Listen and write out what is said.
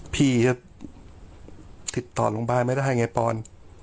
พี่ถ้าติดต่อโรงบาลไม่ได้ไงปอน